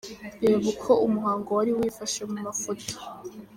Reba uko umuhango wari wifashe mu mafoto